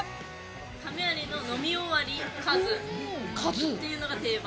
亀有の飲み終わり「和」っていうのが定番。